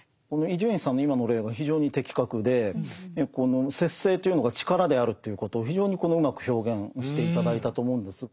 伊集院さんの今の例は非常に的確でこの節制というのが力であるということを非常にうまく表現して頂いたと思うんです。